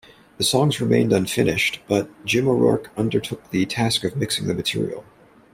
The songs remained unfinished, but Jim O'Rourke undertook the task of mixing the material.